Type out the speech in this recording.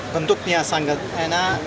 bentuknya sangat enak